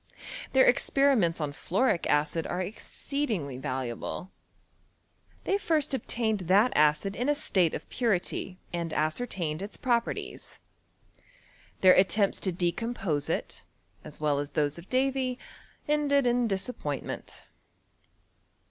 Their experiments on fluoric acid are exceedingly valuable. They first obtained that acid in a state of purity, and ascertained its properties. Their at tempts to decompose it as well as those of Davy, ended in disappointment.